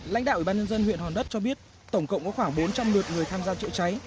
lãnh đạo ủy ban nhân dân huyện hòn đất cho biết tổng cộng có khoảng bốn trăm linh lượt người tham gia chữa cháy